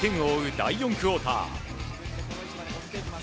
第４クオーター。